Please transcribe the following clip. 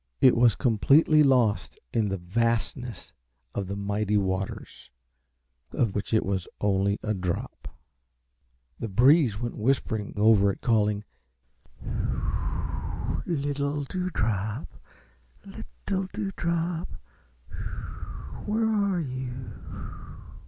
It was completely lost in the vastness of the mighty waters of which it was only a drop. The breeze went whispering over it, calling, "Little Dewdrop, little Dewdrop, where are you?"